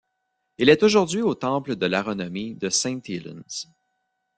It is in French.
Il est aujourd'hui au temple de la renommée de St Helens.